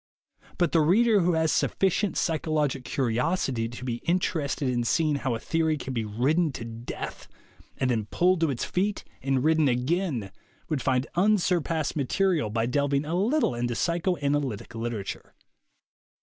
But the reader who has suffi cient psychologic curiosity to be interested in seeing how a theory can be ridden to death and then pulled to its feet and ridden again would find unsurpassed THE WAY TO WILL POWER 89 material by delving a little into psychoanalytic literature.